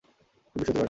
খুব বিশ্বস্ত প্রাণী।